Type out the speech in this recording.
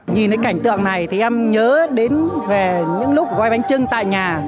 nhìn cái cảnh tượng này thì em nhớ đến về những lúc quay bánh trưng tại nhà